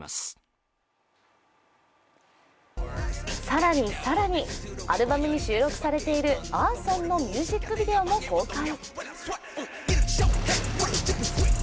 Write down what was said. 更に更に、アルバムに収録されている「Ａｒｓｏｎ」のミュージックビデオも公開。